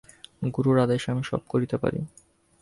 গুরুর আদেশে আমি সব করিতে পারি।